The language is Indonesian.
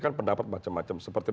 kan pendapat macam macam seperti